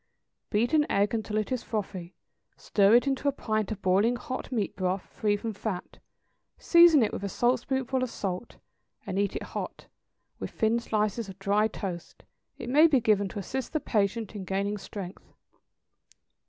= Beat an egg until it is frothy, stir into it a pint of boiling hot meat broth, free from fat, season it with a saltspoonful of salt, and eat it hot, with thin slices of dry toast; it may be given to assist the patient in gaining strength.